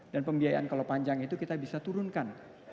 dan pembiayaan kalau panjang itu kita bisa turunkan